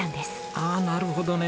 ああなるほどね。